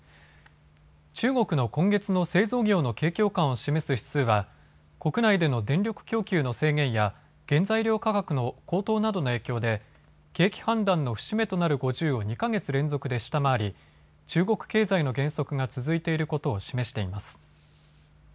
中国の今月の製造業の景況感を示す指数は国内での電力供給の制限や原材料価格の高騰などの影響で景気判断の節目となる５０を２か月連続で下回り中国経済の減速が続いていることを示しています。